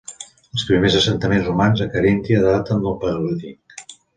Els primers assentaments humans a Caríntia daten del Paleolític.